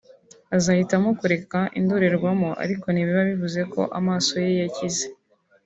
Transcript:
azahitamo kureka indorerwamo ariko ntibiba bivuze ko amaso ye yakize